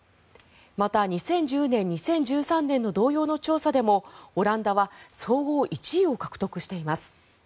また、２０１０年、２０１３年の同様の調査でもオランダは総合１位を獲得しています。